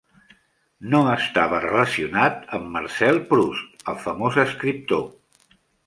No estava relacionat amb Marcel Proust, el famós escriptor.